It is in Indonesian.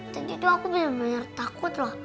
tadi tuh aku bener bener takut loh